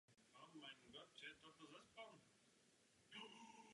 Evropa také stále více zaostává v oblasti výzkumu a vývoje.